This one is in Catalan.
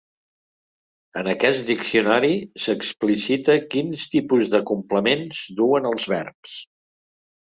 En aquest diccionari s'explicita quins tipus de complements duen els verbs.